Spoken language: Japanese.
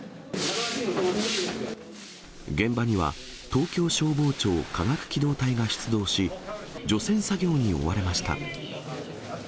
現場には東京消防庁化学機動隊が出動し、除染作業に追われました。